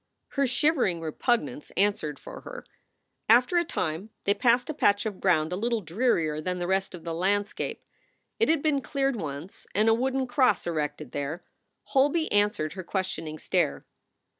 Her shivering repugnance answered for her. After a time they passed a patch of ground a little drearier than the rest of the landscape. It had been cleared once, and a wooden cross erected there. Holby answered her questioning stare.